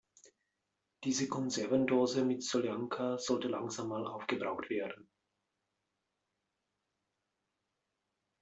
Diese Konservendose mit Soljanka sollte langsam mal aufgebraucht werden.